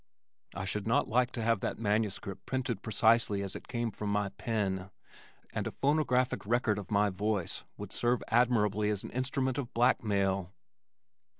I should not like to have that manuscript printed precisely as it came from my pen, and a phonographic record of my voice would serve admirably as an instrument of blackmail.